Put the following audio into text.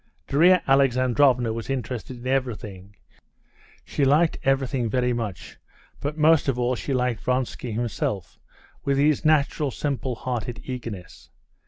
Darya Alexandrovna was interested by everything. She liked everything very much, but most of all she liked Vronsky himself with his natural, simple hearted eagerness.